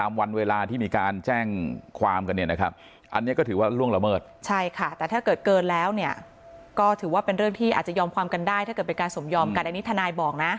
อาจจะยอมความกันได้ถ้าเกิดเป็นการสมยอมกันอันนี้ธนายบอกนะ